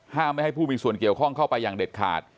ไม่ให้ผู้มีส่วนเกี่ยวข้องเข้าไปอย่างเด็ดขาด